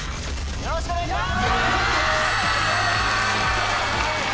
よろしくお願いします。